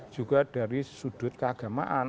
juga dari sudut keagamaan